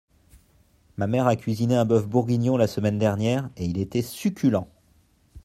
Ma mère a cuisiné un bœuf bourguignon la semaine dernière et il était succulent.